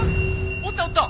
おったおった。